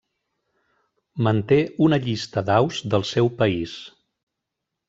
Manté una llista d'aus del seu país.